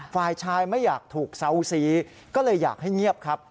ฝ่ายชายไม่อยากถูกเซาซีก็เลยอยากให้เงียบครับ